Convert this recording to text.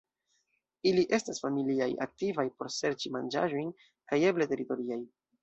Ili estas familiaj, aktivaj por serĉi manĝaĵojn kaj eble teritoriaj.